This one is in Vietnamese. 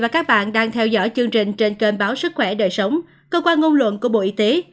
và các bạn đang theo dõi chương trình trên kênh báo sức khỏe đời sống cơ quan ngôn luận của bộ y tế